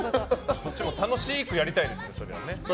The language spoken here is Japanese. こっちは楽しくやりたいですよ。